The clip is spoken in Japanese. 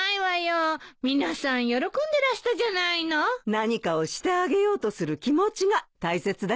何かをしてあげようとする気持ちが大切だからね。